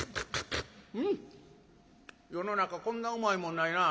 世の中こんなうまいもんないなあ。